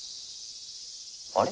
あれ？